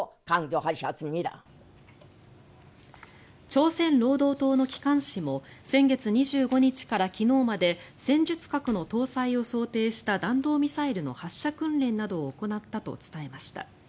朝鮮労働党の機関紙も先月２５日から昨日まで戦術核の搭載を想定した弾道ミサイルの発射訓練などを行ったと伝えました。